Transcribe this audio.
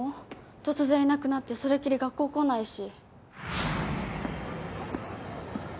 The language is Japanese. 突然いなくなってそれきり学校来ないし。